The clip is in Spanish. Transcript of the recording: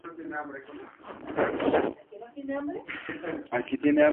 Ambas cintas forman parte de la llamada Época de Oro del Cine Mexicano.